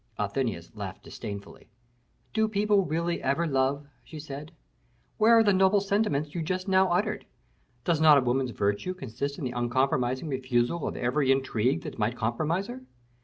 Athenais laughed disdainfully. "Do people really ever love?" she said. "Where are the noble sentiments you just now uttered? Does not a woman's virtue consist in the uncompromising refusal of every intrigue that might compromise her?